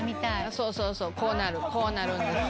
そうそうそうこうなるこうなるんですよ。